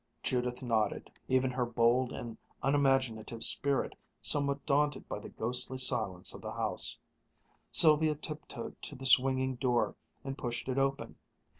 Judith nodded, even her bold and unimaginative spirit somewhat daunted by the ghostly silence of the house. Sylvia tiptoed to the swinging door and pushed it open.